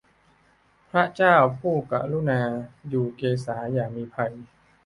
พระเจ้าผู้กรุณา อยู่เกศาอย่ามีภัย